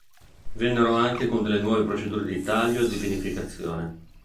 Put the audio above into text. Vennero anche con delle nuove procedure di taglio e di vinificazione.